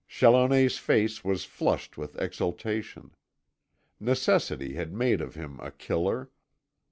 Challoner's face was flushed with exultation. Necessity had made of him a killer.